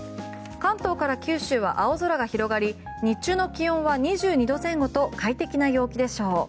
関東から九州は青空が広がり日中の気温は２２度前後と快適な陽気でしょう。